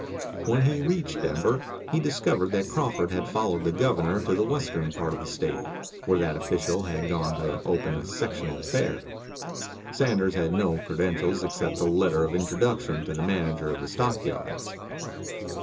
When he reached Denver he discovered that Crawford had followed the Governor to the western part of the State, where that official had gone to open a sectional fair. Sanders had no credentials except a letter of introduction to the manager of the stockyards.